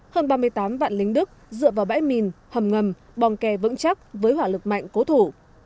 hơn ba mươi tám vạn lính đức dựa vào bãi mìn hầm ngầm kè vững chắc với hỏa lực mạnh cố thủ